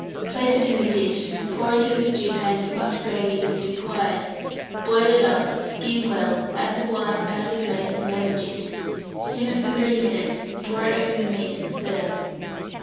Place it in the dish; pour into the stewpan as much gravy as is required, boil it up, skim well, add the wine, pounded mace, and lemon juice; simmer for 3 minutes, pour it over the meat, and serve.